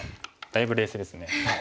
だいぶ冷静ですね。